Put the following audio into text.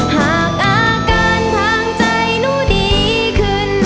หากอาการทางใจหนูดีขึ้น